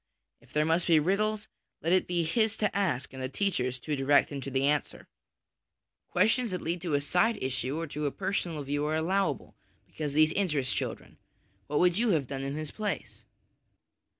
If there must be riddles, let it be his to ask and the teacher's to direct him to the answer. Questions that lead to a side issue LESSONS AS INSTRUMENTS OF EDUCATION 229 or to a personal view are allowable because these interest children * What would you have done in his place